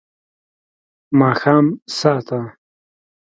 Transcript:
ماښام ساه ته